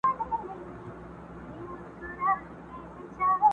سل لكۍ په ځان پسې كړلې يو سري!!